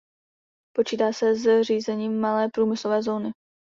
Počítá se se zřízením malé průmyslové zóny.